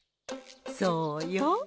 そうよ。